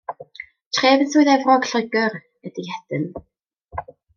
Tref yn Swydd Efrog, Lloegr ydy Hedon.